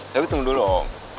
tapi tunggu dulu om